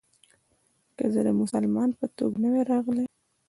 که زه د مسلمان په توګه نه وای راغلی.